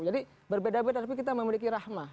jadi berbeda beda tapi kita memiliki rahmah